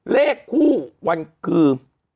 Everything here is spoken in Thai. เลขคู่วันคือ